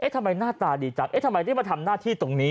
ทำไมหน้าตาดีจังเอ๊ะทำไมได้มาทำหน้าที่ตรงนี้